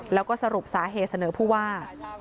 แล้วก็สรุปสาเหตุเสนอผู้ว่า